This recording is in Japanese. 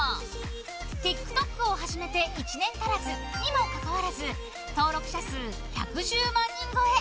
ＴｉｋＴｏｋを始めて１年足らずにもかかわらず登録者数１１０万人超え。